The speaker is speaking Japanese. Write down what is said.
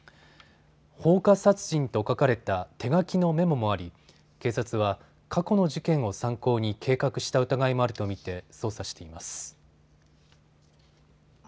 放火殺人と書かれた手書きのメモもあり警察は過去の事件を参考に計画した疑いもあると見て捜査しています。